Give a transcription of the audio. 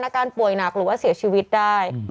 อาการป่วยหนักหรือว่าเสียชีวิตได้